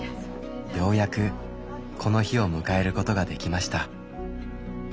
ようやくこの日を迎えることができました。